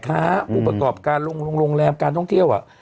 ปรุปกราบการลงโรงงลามการท่องเที่ยว